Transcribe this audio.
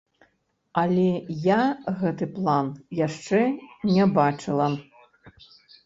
Але я гэты план яшчэ не бачыла.